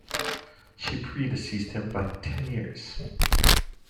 She pre-deceased him by ten years.